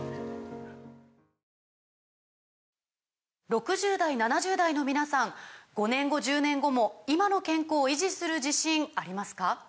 ６０代７０代の皆さん５年後１０年後も今の健康維持する自信ありますか？